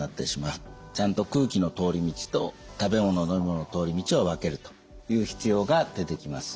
ちゃんと空気の通り道と食べ物飲み物の通り道を分けるという必要が出てきます。